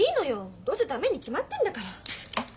どうせ駄目に決まってんだから。